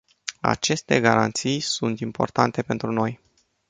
Aceste garanții sunt importante pentru noi.